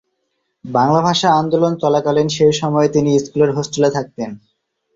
বাংলা ভাষা আন্দোলন চলাকালীন সেই সময়ে তিনি স্কুলের হোস্টেলে থাকতেন।